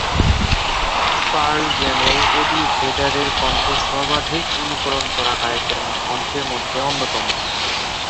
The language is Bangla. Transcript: পার্ল জ্যামের এডি ভেডারের কণ্ঠ সর্বাধিক অনুকরণ করা গায়কের কণ্ঠের মধ্যে অন্যতম।